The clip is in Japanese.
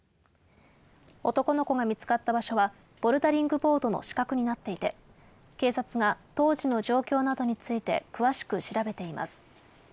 男の子が見つかった場所は、ボルダリングボードの死角になっていて、警察が当時の状況などについて詳しく調べています。